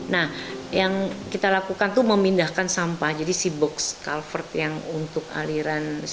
nah yang kita lakukan itu memindahkan sampah jadi si box culvert yang untuk aliran sungai